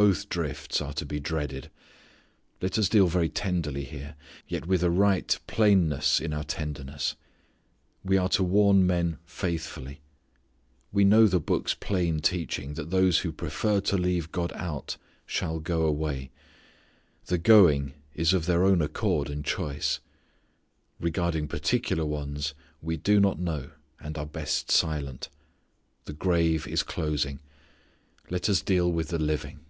Both drifts are to be dreaded. Let us deal very tenderly here, yet with a right plainness in our tenderness. We are to warn men faithfully. We know the Book's plain teaching that these who prefer to leave God out "shall go away." The going is of their own accord and choice. Regarding particular ones we do not know and are best silent. The grave is closing. Let us deal with the living.